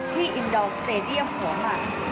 ที่อินดอลสเตดียมหัวหลัก